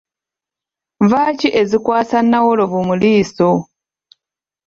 Nva ki ezikwasa Nnawolowu mu liiso?